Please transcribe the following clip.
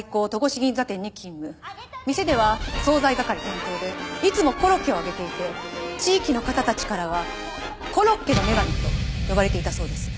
店では惣菜係担当でいつもコロッケを揚げていて地域の方たちからはコロッケの女神と呼ばれていたそうです。